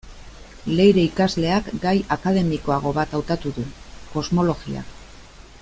Leire ikasleak, gai akademikoago bat hautatu du: kosmologia.